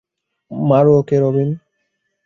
মারো ওকে, রবিন!